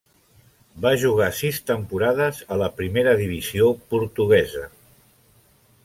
Va jugar sis temporades a la primera divisió portuguesa.